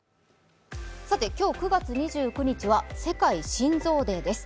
今日９月２９日は世界心臓デーです。